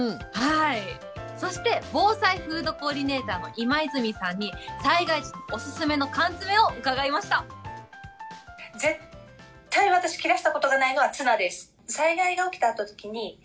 そして、防災フードコーディネーターの今泉さんに、災害時お勧めの缶詰を伺いました。